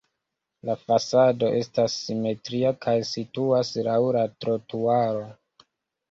La fasado estas simetria kaj situas laŭ la trotuaro.